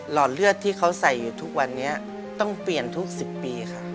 อดเลือดที่เขาใส่อยู่ทุกวันนี้ต้องเปลี่ยนทุก๑๐ปีค่ะ